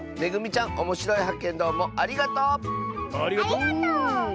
ありがとう！